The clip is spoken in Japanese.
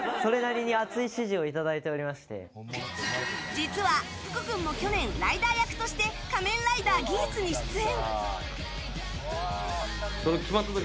実は、福君も去年ライダー役として「仮面ライダーギーツ」に出演。